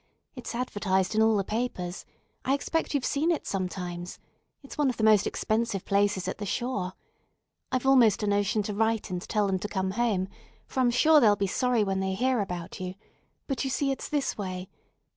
It's advertised in all the papers. I expect you've seen it sometimes. It's one of the most expensive places at the shore. I've almost a notion to write and tell them to come home, for I'm sure they'll be sorry when they hear about you; but you see it's this way.